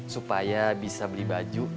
supaya bisa beli baju